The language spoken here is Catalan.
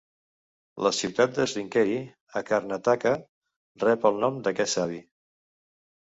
La ciutat de Sringeri, a Karnataka, rep el nom d"aquest savi.